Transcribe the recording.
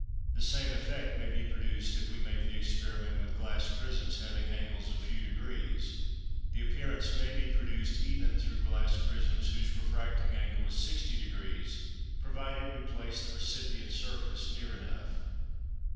The same effect may be produced if we make the experiment with glass prisms having angles of few degrees: the appearance may be produced even through glass prisms, whose refracting angle is sixty degrees, provided we place the recipient surface near enough.